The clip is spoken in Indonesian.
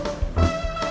kamu mau ke rumah